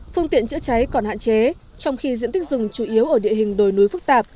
phương tiện chữa cháy còn hạn chế trong khi diện tích rừng chủ yếu ở địa hình đồi núi phức tạp